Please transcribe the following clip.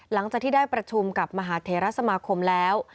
หลังจากที่ได้ประชุมกับมหาเทรสมาคมแล้ว